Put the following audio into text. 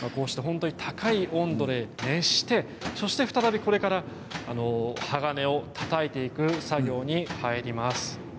高い温度で熱してそして再びこれから鋼をたたいていく作業に入ります。